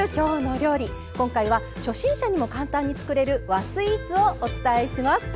今回は初心者にも簡単につくれる和スイーツをお伝えします。